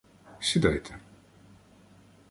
Сідайте.